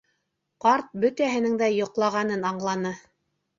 Ҡарт бөтәһенең дә йоҡлағанын аңланы.